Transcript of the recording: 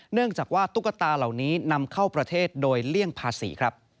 เนื่องจากว่าตุ๊กตาเหล่านี้นำเข้าประเทศโดยเลี่ยงภาษีครับ